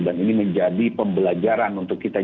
dan ini menjadi pembelajaran untuk kita